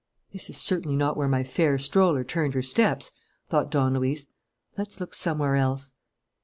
"This is certainly not where my fair stroller turned her steps," thought Don Luis. "Let's look somewhere else."